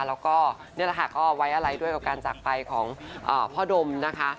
แล้วก็นี่แหละค่ะก็ไว้อะไรด้วยกับการจากไปของพ่อดมนะคะ